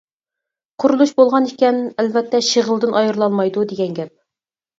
قۇرۇلۇش بولغان ئىكەن، ئەلۋەتتە شېغىلدىن ئايرىلالمايدۇ، دېگەن گەپ.